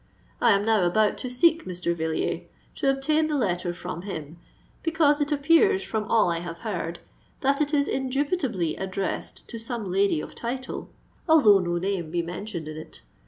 I am now about to seek Mr. Villiers, and obtain the letter from him; because, it appears from all I have heard, that it is indubitably addressed to some lady of title, although no name be mentioned in it.